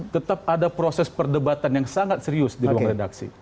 tetap ada proses perdebatan yang sangat serius di ruang redaksi